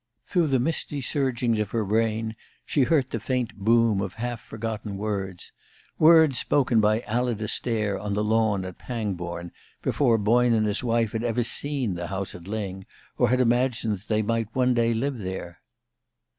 Through the misty surgings of her brain she heard the faint boom of half forgotten words words spoken by Alida Stair on the lawn at Pangbourne before Boyne and his wife had ever seen the house at Lyng, or had imagined that they might one day live there.